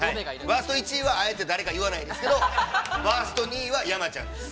ワースト１位はあえて誰か言わないですけれども、ワースト２位は山ちゃんです。